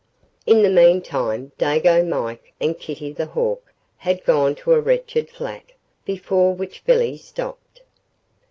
In the meantime Dago Mike and Kitty the Hawk had gone to a wretched flat, before which Billy stopped.